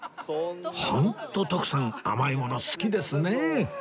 ホント徳さん甘いもの好きですね